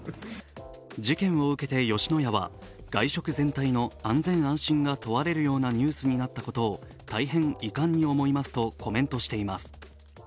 事件を受けて吉野家は、外食全体の安心安全が問われるようなニュースになったことを大変遺憾に思いますとコメントしています。